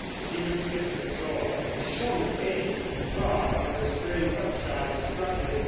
He was stiff and sore. His shoulder ached and throbbed where the stray buckshot had struck him.